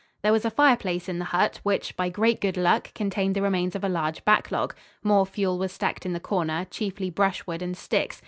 There was a fireplace in the hut, which, by great good luck, contained the remains of a large backlog. More fuel was stacked in the corner, chiefly brushwood and sticks.